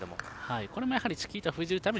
これもチキータを封じるために